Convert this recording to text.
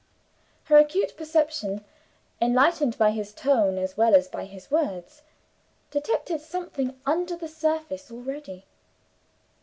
Her acute perception enlightened by his tone as wall as by his words detected something under the surface already.